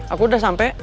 aku udah sampe